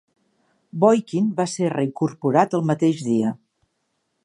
Boykin va ser reincorporat el mateix dia.